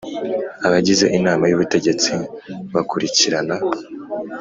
Abagize Inama y Ubutegetsi bakurikirana